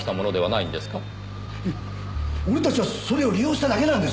いえ俺たちはそれを利用しただけなんです。